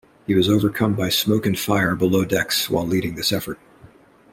He was overcome by smoke and fire below decks while leading this effort.